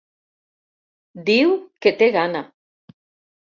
Diu que té gana.